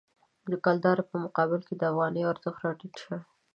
د کلدارې په مقابل کې د افغانۍ ارزښت راټیټ شوی.